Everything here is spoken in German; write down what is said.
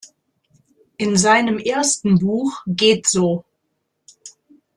In seinem ersten Buch „Geht so.